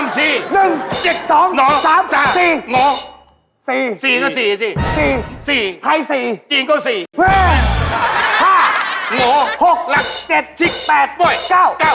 เจ๊ก